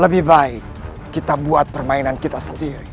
lebih baik kita buat permainan kita sendiri